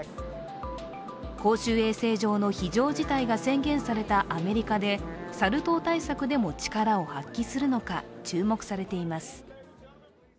公衆衛生上の非常事態が宣言されたアメリカでサル痘対策でも力を発揮するのか注目されています。